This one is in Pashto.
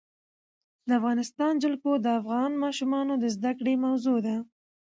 د افغانستان جلکو د افغان ماشومانو د زده کړې موضوع ده.